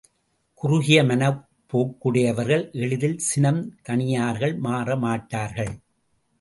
குறுகிய மனப்போக்குடையவர்கள் எளிதில் சினம் தணியார்கள் மாற மாட்டார்கள்.